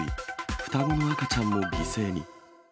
双子の赤ちゃんも犠牲に。